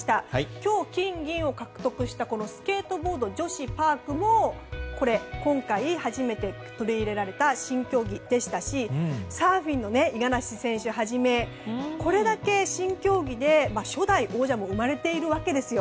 今日、金銀を獲得したスケートボード女子パークも今回、初めて取り入れられた新競技でしたしサーフィンの五十嵐選手はじめこれだけ新競技で初代王者も生まれているわけですよ。